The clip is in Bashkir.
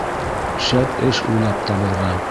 Шәп эш уйлап табырға!..